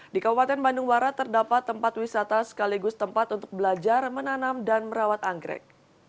di kabupaten bandung barat terdapat tempat wisata sekaligus tempat untuk belajar menanam dan merawat anggrek